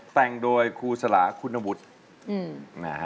แต่งโดยครูสลาคุณวุฒิ